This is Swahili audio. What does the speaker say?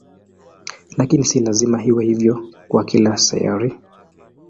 Lakini si lazima iwe hivyo kwa kila sayari.